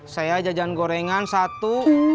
saya jajan gorengan satu